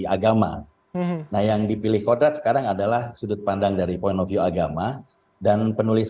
agama nah yang dipilih kodrat sekarang adalah sudut pandang dari point of view agama dan penulis